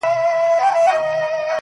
دنیا ډېره بې وفا ده نه پا یږي-